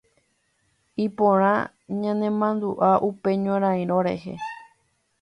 Iporã ñanemandu'a upe ñorairõ rehe.